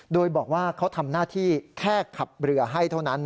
โดยบอกว่าเขาทำหน้าที่แค่ขับเรือให้เท่านั้น